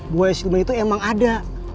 buaya sinuman itu emang ada